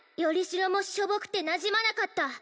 しろもしょぼくてなじまなかった